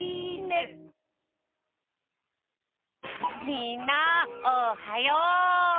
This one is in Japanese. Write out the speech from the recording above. みんなおはよう！